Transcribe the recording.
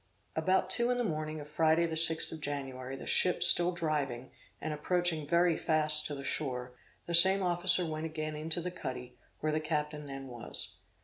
About two in the morning of Friday the sixth of January, the ship still driving, and approaching very fast to the shore, the same officer went again into the cuddy, where the captain then was.